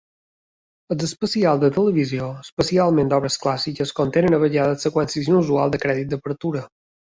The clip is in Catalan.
Els especials de televisió, especialment d'obres clàssiques, contenen a vegades seqüències inusuals de crèdits d'apertura.